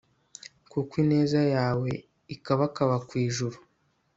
kuko ineza yawe ikabakaba ku ijuru